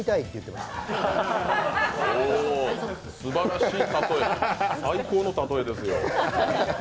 お、すばらしい例え、最高の例えですよ。